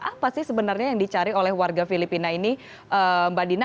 apa sih sebenarnya yang dicari oleh warga filipina ini mbak dina